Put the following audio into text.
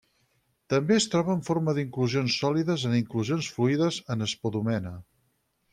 També es troba en forma d'inclusions sòlides en inclusions fluides en espodumena.